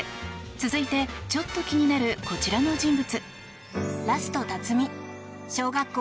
続いて、ちょっと気になるこちらの人物。